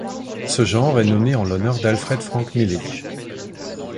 Ce genre est nommé en l'honneur d'Alfred Frank Millidge.